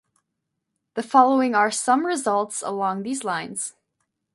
The following are some results along these lines.